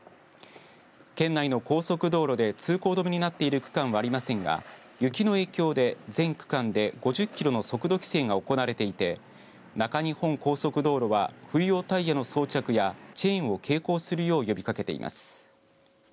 県内の高速道路で通行止めになっている区間はありませんが雪の影響で全区間で５０キロの速度規制が行われていて中日本高速道路は冬用タイヤの装着やチェーンを携行するよう呼びかけています。